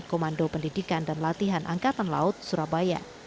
komando pendidikan dan latihan angkatan laut surabaya